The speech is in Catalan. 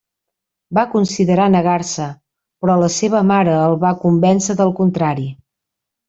Va considerar negar-se, però la seva mare el va convèncer del contrari.